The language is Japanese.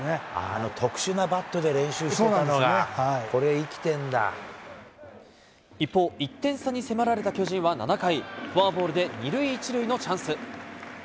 あの特殊なバットで練習してたのが、これ、一方、１点差に迫られた巨人は７回、フォアボールで、２塁１塁のチャンス。